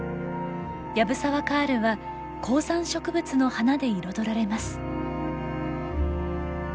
藪沢カールは高山植物の花で彩られます。